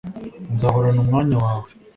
Nzahorana umwanya wawe